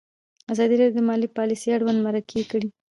ازادي راډیو د مالي پالیسي اړوند مرکې کړي.